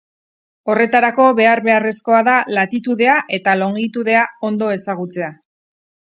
Horretarako behar-beharrezkoa da latitudea eta longitudea ondo ezagutzea.